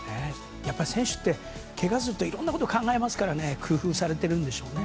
やっぱり選手ってけがをするといろんなことを考えるから工夫されてるんでしょうね。